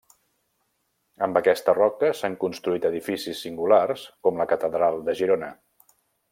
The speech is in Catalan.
Amb aquesta roca s'han construït edificis singulars com la catedral de Girona.